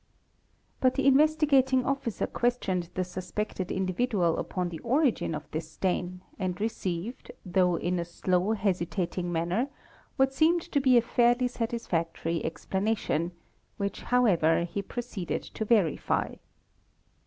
But the Investigating Officer questioned the suspecte individual upon the origin of this stain and received, though in a slo hesitating manner, what seemed to be a fairly satisfactory explanatio: which however he proceeded to verify.